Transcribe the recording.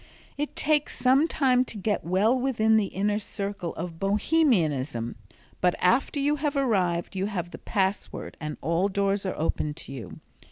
It takes some time to get well within the inner circle of Bohemianism, but after you have arrived you have the password and all doors are open to you.